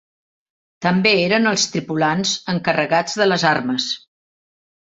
També eren els tripulants encarregats de les armes.